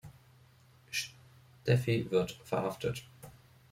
Steffie wird verhaftet.